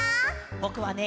ぼくはね